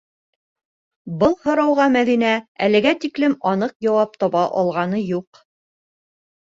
Был һорауға Мәҙинә әлегә тиклем аныҡ яуап таба алғаны юҡ.